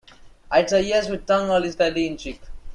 I'd say yes, with tongue only slightly in cheek.